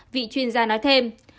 vị chuyên gia nói thêm